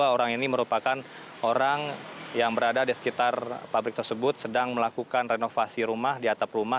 dua orang ini merupakan orang yang berada di sekitar pabrik tersebut sedang melakukan renovasi rumah di atap rumah